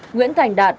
nguyễn thành đạt